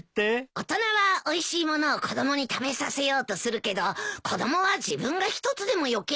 大人はおいしい物を子供に食べさせようとするけど子供は自分が一つでも余計に食べようとするんだ。